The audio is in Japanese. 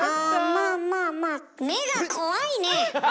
まあまあまあ目が怖いねえ！